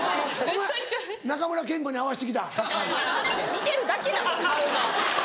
似てるだけなんです顔が。